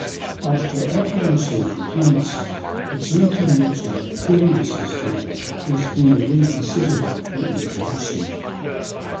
After operational complaints the drinking water cooling system is being reconsidered for installation.